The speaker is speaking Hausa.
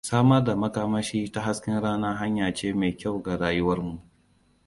Samar da makamashi ta hasken rana hanya ce mai kyau ga rayuwarmu.